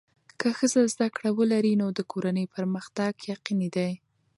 که ښځه زده کړه ولري، نو د کورنۍ پرمختګ یقیني دی.